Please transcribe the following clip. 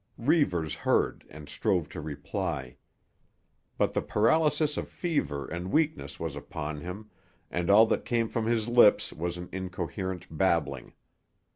Reivers heard and strove to reply. But the paralysis of fever and weakness was upon him, and all that came from his lips was an incoherent babbling.